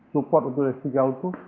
support untuk eli spikal itu